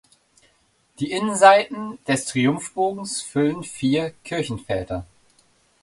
Die Innenseiten des Triumphbogens füllen vier Kirchenväter.